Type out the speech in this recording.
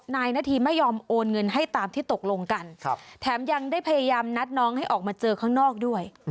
นายนาธีไม่ยอมโอนเงินให้ตามที่ตกลงกันแถมยังได้พยายามนัดน้องให้ออกมาเจอข้างนอกด้วย